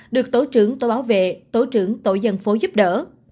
được tổ trưởng tổ bảo vệ tổ trưởng tổ dân phố giúp đỡ